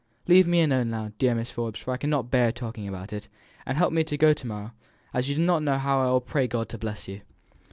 Leave me alone now, dear Mrs. Forbes, for I cannot bear talking about it, and help me to go to morrow, and you do not know how I will pray to God to bless you!"